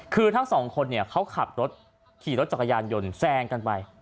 คือทั้งสองคนเนี่ยเขาขับรถขี่รถจักรยานยนต์แซงกันไป